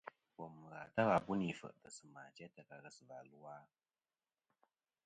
Bòm ghà ta wà bû nì fèʼtɨ̀ sɨ̂ mà jæ ta ka ghesɨ̀và lu a?